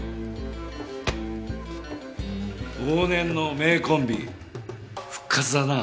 往年の名コンビ復活だなあ！